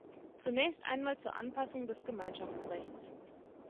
Zunächst einmal zur Anpassung des Gemeinschaftsrechts.